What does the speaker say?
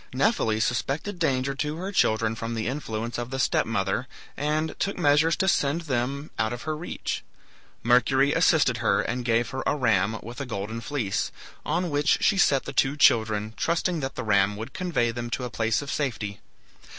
Nephele suspected danger to her children from the influence of the step mother, and took measures to send them out of her reach. Mercury assisted her, and gave her a ram with a GOLDEN FLEECE, on which she set the two children, trusting that the ram would convey them to a place of safety.